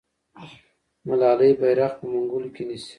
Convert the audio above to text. ملالۍ بیرغ په منګولو کې نیسي.